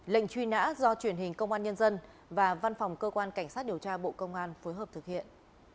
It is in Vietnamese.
lệnh truy nã do truyền hình công an nhân dân và văn phòng cơ quan cảnh sát điều tra bộ công an phối hợp thực hiện